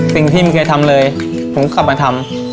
สิ่งที่ไม่เคยทำเลยผมก็กลับมาทำ